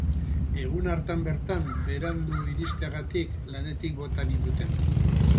Egun hartan bertan berandu iristeagatik, lanetik bota ninduten.